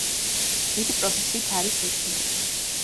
იგი პროფესიით არის ექიმი.